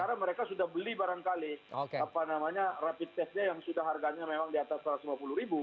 karena mereka sudah beli barangkali rapid testnya yang sudah harganya memang di atas rp satu ratus lima puluh